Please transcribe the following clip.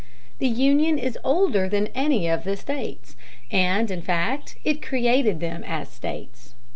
The Union is older than any of the States, and, in fact, it created them as States.